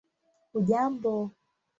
hujambo